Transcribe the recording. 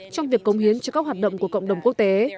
trong việc cống hiến cho các hoạt động của cộng đồng quốc tế